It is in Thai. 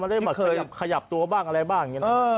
คันมาเขยับตัวบ้างบ้าง